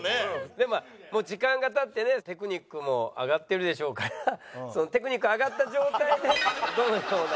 でもまあ時間が経ってねテクニックも上がってるでしょうからそのテクニック上がった状態でどのような感じに。